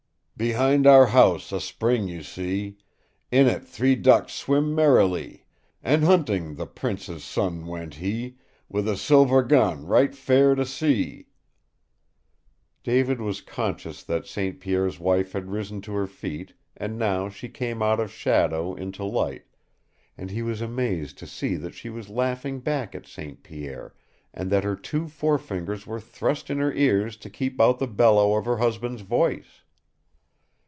Behind our house a spring you see, In it three ducks swim merrily, And hunting, the Prince's son went he, With a silver gun right fair to see " David was conscious that St. Pierre's wife had risen to her feet, and now she came out of shadow into light, and he was amazed to see that she was laughing back at St. Pierre, and that her two fore fingers were thrust in her ears to keep out the bellow of her husband's voice.